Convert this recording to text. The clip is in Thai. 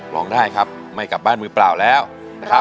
ร้องได้ครับไม่กลับบ้านมือเปล่าแล้วนะครับ